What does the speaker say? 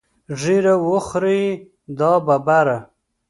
ږیره وخورې دا ببره.